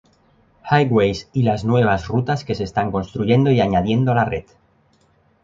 Highways y las nuevas rutas que se están construyendo y añadiendo a la Red.